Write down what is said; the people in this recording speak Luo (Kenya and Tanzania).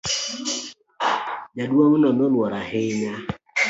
Jaduong' no noluor ahinya.